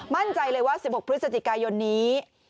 มั่นใจเลยว่า๑๖พฤศจิกายนนี้